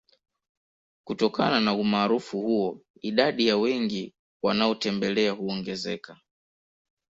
Kutokana na Umaarufu huo idadi ya wageni wanaotembelea huongezeka